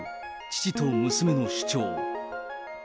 父と娘の主張。